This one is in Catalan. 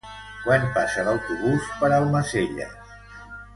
Quan passa l'autobús per Almacelles?